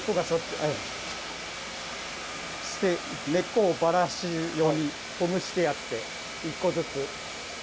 そして根っこをばらすようにほぐしてやって１個ずつ。